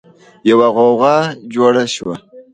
يوه غوغا جوړه شوه.